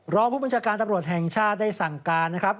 รองผู้บัญชาการตำรวจแห่งชาติได้สั่งการนะครับ